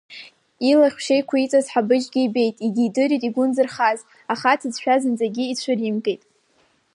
Илахь шеиқәиҵаз Ҳабыџь ибеит, егьидырит игәы нзырхаз, аха аҭыӡшәа зынӡагьы ицәыримгеит.